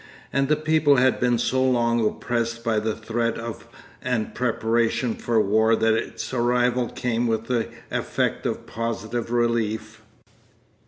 And people had been so long oppressed by the threat of and preparation for war that its arrival came with an effect of positive relief.